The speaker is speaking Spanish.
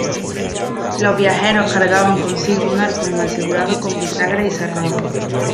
Los viajeros cargaban consigo un arcón asegurado con bisagras y cerrojos.